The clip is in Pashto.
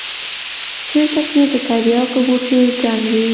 چېرته چې د ترياکو بوټي گڼ وي.